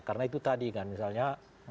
karena itu tadi kan misalnya